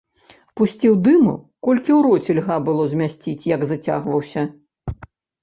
Пусціў дыму, колькі ў роце льга было змясціць, як зацягваўся.